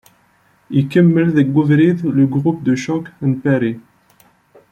Ikemmel deg ubrid "Le groupe de choc" n Pari.